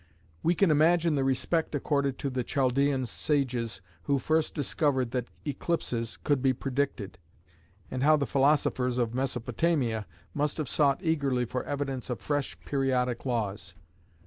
We can imagine the respect accorded to the Chaldaean sages who first discovered that eclipses could be predicted, and how the philosophers of Mesopotamia must have sought eagerly for evidence of fresh periodic laws.